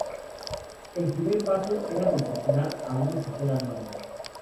El primer paso era designar a un oficial al mando.